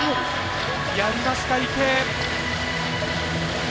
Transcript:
やりました、池江。